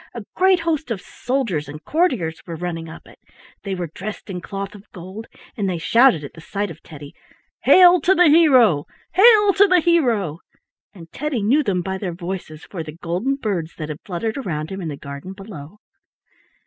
A great host of soldiers and courtiers were running up it. They were dressed in cloth of gold, and they shouted at the sight of Teddy: "Hail to the hero! Hail to the hero!" and Teddy knew them by their voices for the golden birds that had fluttered around him in the garden below.